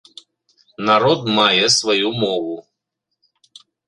Народ мае сваю мову.